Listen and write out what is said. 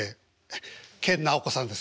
研ナオコさんです